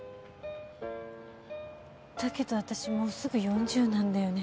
だけど私もうすぐ４０なんだよね。